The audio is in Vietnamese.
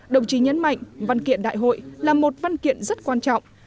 đồng chí nhấn mạnh văn kiện đại hội là một văn kiện rất quan trọng